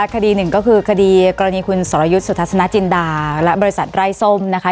คดีหนึ่งก็คือคดีกรณีคุณสรยุทธ์สุทัศนจินดาและบริษัทไร้ส้มนะคะ